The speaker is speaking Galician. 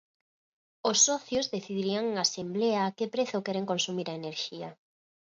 Os socios decidirían en asemblea a que prezo queren consumir a enerxía.